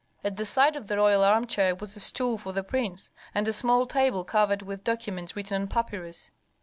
At the side of the royal armchair was a stool for the prince, and a small table covered with documents written on papyrus.